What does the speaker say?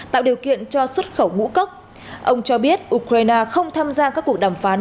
tạo điều kiện cho xuất khẩu ngũ cốc ông cho biết ukraine không tham gia các cuộc đàm phán